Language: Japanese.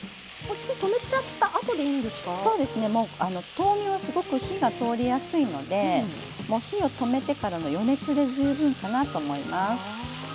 豆苗はすごく火が通りやすいので火を止めてからの余熱で十分かなと思います。